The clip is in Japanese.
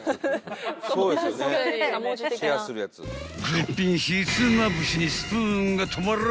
［絶品ひつまぶしにスプーンが止まらんばい］